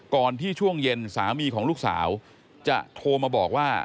ก่อนที่ช่วงเย็นสามีของลูกสาวจะโทรมาบอกว่า